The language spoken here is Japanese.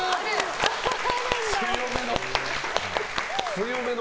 強めの。